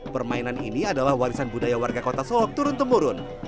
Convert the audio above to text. permainan ini adalah warisan budaya warga kota solok turun temurun